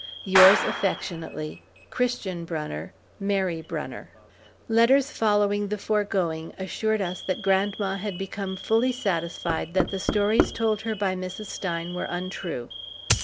Yours affectionately, CHRISTIAN BRUNNER, MARY BRUNNER. Letters following the foregoing assured us that grandma had become fully satisfied that the stories told her by Mrs. Stein were untrue.